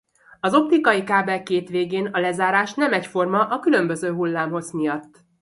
Az optikai kábel két végén a lezárás nem egyforma a különböző hullámhossz miatt.